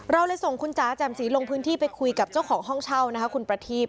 เราเลยส่งคุณจ๋าแจ่มสีลงพื้นที่ไปคุยกับเจ้าของห้องเช่านะคะคุณประทีบ